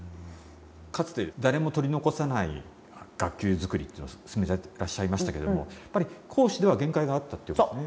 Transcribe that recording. かつて誰も取り残さない学級づくりを進めてらっしゃいましたけどもやっぱり講師では限界があったということですね。